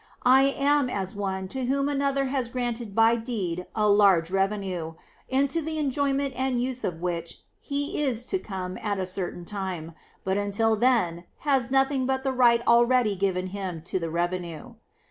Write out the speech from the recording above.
I am as one to whom another has granted by deed a large revenue, into the enjoy ment and use of which he is to come at a certain time, but until then has nothing but the right already given him to the revenue.